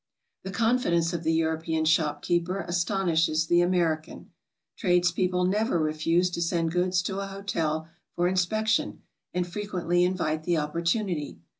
The confidence of the European shop keeper astonishes the American. Tradespeople never refuse to send goods to a hotel for inspection, and frequently invite the opportunity.